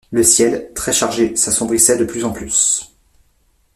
Le ciel, très chargé, s’assombrissait de plus en plus.